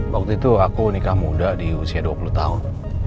waktu itu aku nikah muda di usia dua puluh tahun